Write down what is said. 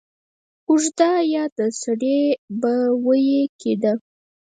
اوږده يا د سړې په ویي کې ده